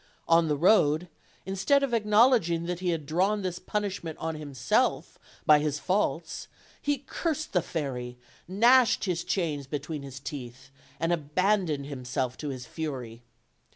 On the road, instead of acknowledging that he had drawn this punishment on himself by his faults, he cursed the fairy, gnashed his chains between his teeth, and abandoned himself to his fury.